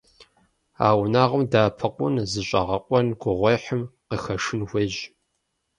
А унагъуэм дэӀэпыкъун, зыщӀэгъэкъуэн, гугъуехьым къыхэшын хуейщ.